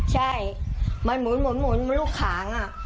ใช่มันหมุนหมุนหมุนมันลูกขางอ่ะ